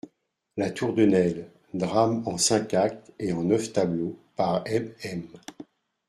=La Tour de Nesle.= Drame en cinq actes et en neuf tableaux, par MM.